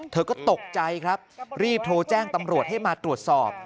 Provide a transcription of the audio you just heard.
เธอก็ตกใจครับรีบโทรแจ้งตำรวจให้มาตรวจสอบ